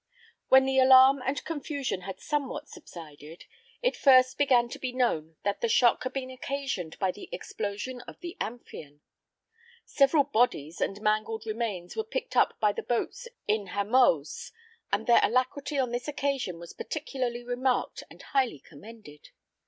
When the alarm and confusion had somewhat subsided, it first began to be known that the shock had been occasioned by the explosion of the Amphion. Several bodies and mangled remains were picked up by the boats in Hamoaze; and their alacrity on this occasion was particularly remarked and highly commended.